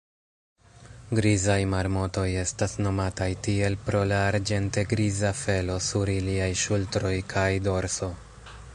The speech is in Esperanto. Grizaj marmotoj estas nomataj tiel pro la arĝente-griza felo sur iliaj ŝultroj kaj dorso.